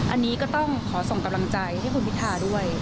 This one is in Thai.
อันนี้ก็ต้องขอส่งกำลังใจให้คุณพิทาด้วย